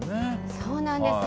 そうなんです。